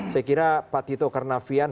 saya kira pak tito karnavian